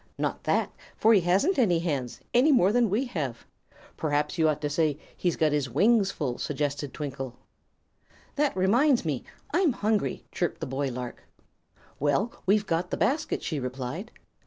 "Not that; for he hasn't any hands, any more than we have. Perhaps you ought to say he's got his wings full," suggested Twinkle. "That reminds me I'm hungry," chirped the boy lark. "Well, we've got the basket," she replied.